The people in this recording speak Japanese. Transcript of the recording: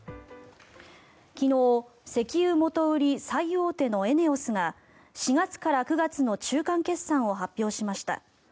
昨日、石油元売り最大手のエネオスが４月から９月の中間決算を発表しました。